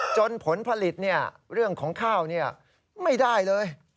จนผลผลิตเนี่ยเรื่องของข้าวเนี่ยไม่ได้เลย